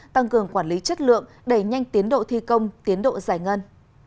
tăng cường quản lý chất lượng đẩy nhanh tiến độ thi công tiến độ giải ngân